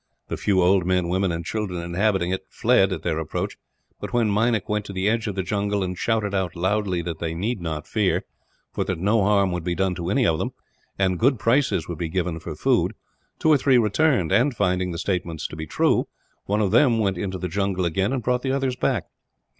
The few old men, women, and children inhabiting it fled, at their approach; but when Meinik went to the edge of the jungle, and shouted out loudly that they need not fear, for that no harm would be done to any of them, and good prices would be given for food, two or three returned and, finding the statements to be true, one of them went into the jungle again, and brought the others back.